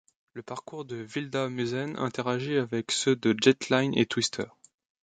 Le parcours de Vilda Musen interagit avec ceux de Jetline et Twister.